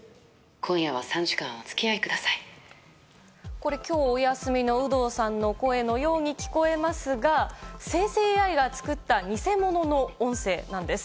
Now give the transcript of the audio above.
これ、きょうお休みの有働さんの声のように聞こえますが生成ＡＩが作った偽物の音声なんです。